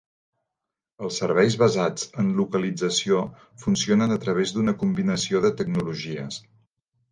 Els Serveis Basats en Localització funcionen a través d'una combinació de tecnologies.